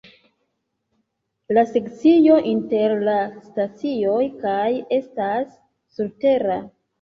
La sekcio inter la stacioj kaj estas surtera.